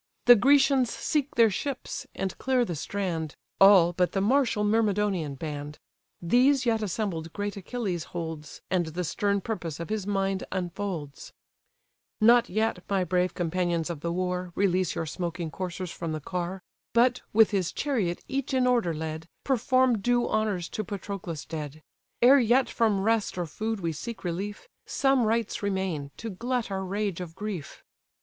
The Grecians seek their ships, and clear the strand, All, but the martial Myrmidonian band: These yet assembled great Achilles holds, And the stern purpose of his mind unfolds: "Not yet, my brave companions of the war, Release your smoking coursers from the car; But, with his chariot each in order led, Perform due honours to Patroclus dead. Ere yet from rest or food we seek relief, Some rites remain, to glut our rage of grief."